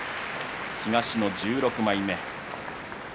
東の１６枚目。